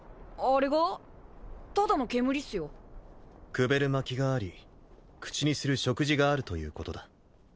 くべるまきがあり口にする食事があるということだ。